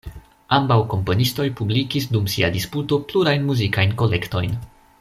Ambaŭ komponistoj publikis dum sia disputo plurajn muzikajn kolektojn.